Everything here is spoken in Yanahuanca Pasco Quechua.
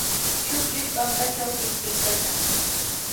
chukllush pampachaw pintiykachan.